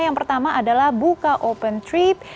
yang pertama adalah buka open trip